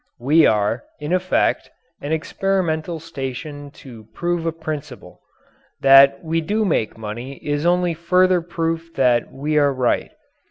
We are, in effect, an experimental station to prove a principle. That we do make money is only further proof that we are right.